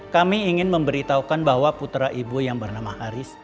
kami ingin memberitahukan bahwa putera ibu yang bernama haris